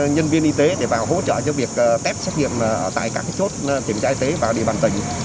nhân viên y tế để vào hỗ trợ cho việc test xét nghiệm tại các chốt tỉnh trái tế và địa phận tỉnh